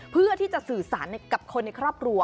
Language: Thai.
เพื่อที่จะสื่อสารกับคนในครอบครัว